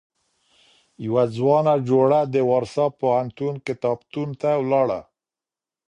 يوه ځوانه جوړه د وارسا پوهنتون کتابتون ته ولاړه.